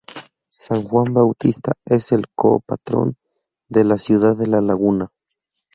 San Juan Bautista es el co-patrón de la ciudad de La Laguna.